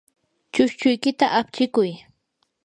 chushchuykita apchikuy.